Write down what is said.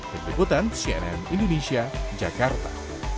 berikutan cnn indonesia jakarta